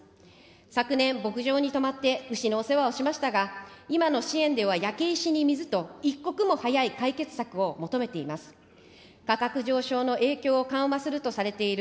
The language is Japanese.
昨年、牧場に泊まって牛のお世話をしましたが、今の支援では焼け石に水と、一刻も早い解決策を求めています。